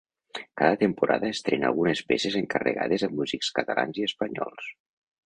Cada temporada estrena algunes peces encarregades a músics catalans i espanyols.